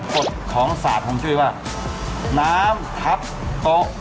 กดของสาดผมช่วยว่าน้ำทับโต๊ะ